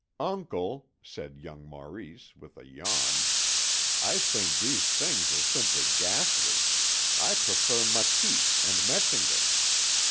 "Uncle," said young Maurice, with a yawn, "I think these things are simply ghastly. I prefer Matisse and Metzinger."